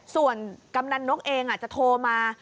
ส่วนกำนันนกเองจะโทรมา